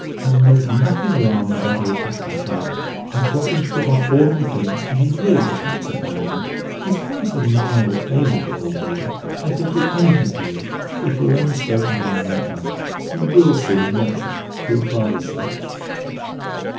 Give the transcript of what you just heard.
And there's nothing alarming about old Fakrash, either, I've got him to put on ordinary things, and he really doesn't look so bad in them. He's quite a mild, amiable old noodle, and he'll do anything for you, if you'll only stroke him down the right way. You will see him, won't you, for your father's sake?"